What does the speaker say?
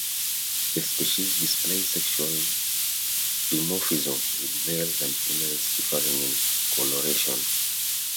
The species displays sexual dimorphism with males and females differing in coloration.